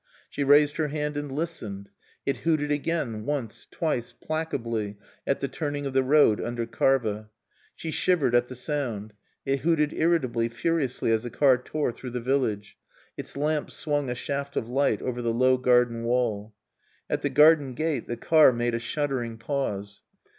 She raised her hand and listened. It hooted again, once, twice, placably, at the turning of the road, under Karva. She shivered at the sound. It hooted irritably, furiously, as the car tore through the village. Its lamps swung a shaft of light over the low garden wall. At the garden gate the car made a shuddering pause.